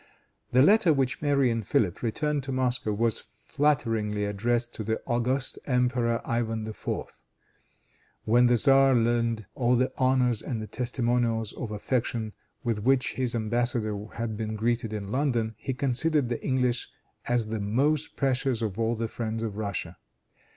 The letter which Mary and Philip returned to Moscow was flatteringly addressed to the august emperor, Ivan IV. When the tzar learned all the honors and the testimonials of affection with which his embassador had been greeted in London, he considered the English as the most precious of all the friends of Russia.